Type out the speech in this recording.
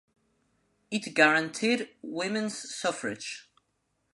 It guaranteed women’s suffrage.